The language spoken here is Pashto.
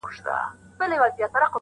کرونا راغلې پر خلکو غم دی؛